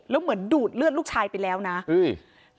แล้วเหมือนดูดเลือดลูกชายไปแล้วนะอุ้ย